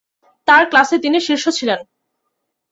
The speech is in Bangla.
তার ক্লাসে তিনি শীর্ষ ছিলেন।